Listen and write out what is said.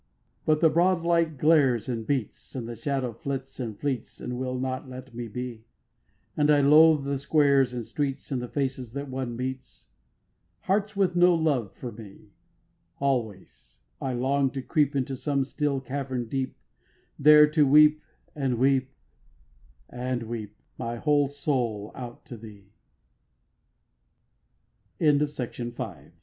' 13. But the broad light glares and beats, And the shadow flits and fleets And will not let me be; And I loathe the squares and streets, And the faces that one meets, Hearts with no love for me: Always I long to creep Into some still cavern deep, There to weep, and weep, and weep My whole soul out to